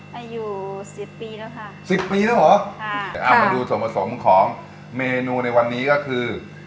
อายุสิบปีแล้วค่ะสิบปีแล้วเหรอค่ะเอามาดูส่วนผสมของเมนูในวันนี้ก็คือ